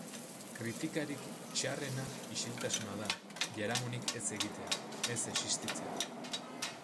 Kritikarik txarrena isiltasuna da, jaramonik ez egitea, ez existitzea.